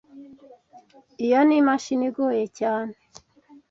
Iyo ni imashini igoye cyane.